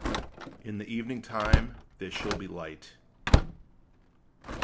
"In the evening time there shall be light."